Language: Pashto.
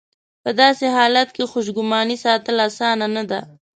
په داسې حالت کې خوشګماني ساتل اسانه نه ده.